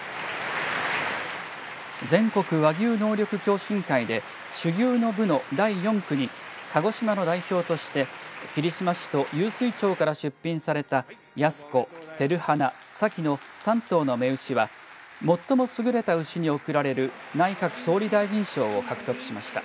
全国和牛能力共進会で種牛の部の第４区に鹿児島の代表として霧島市と湧水町から出品されたやすこ、てるはなさきの３頭の雌牛は最もすぐれた牛に贈られる内閣総理大臣賞を獲得しました。